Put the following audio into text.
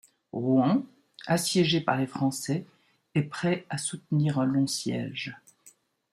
Rouen assiégée par les Français est prêt à soutenir un long siège.